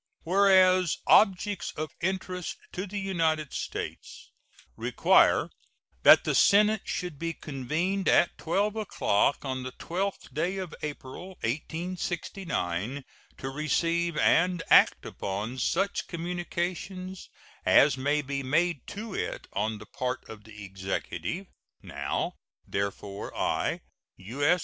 Whereas objects of interest to the United States require that the Senate should be convened at 12 o'clock on the 12th day of April, 1869, to receive and act upon such communications as may be made to it on the part of the Executive: Now, therefore, I, U.S.